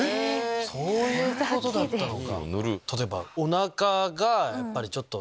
そういうことだったのか。